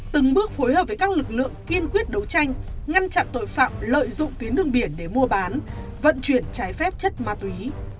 từng bước phối hợp với các lực lượng kiên quyết đấu tranh ngăn chặn tội phạm lợi dụng tuyến đường biển để mua bán vận chuyển trái phép chất ma túy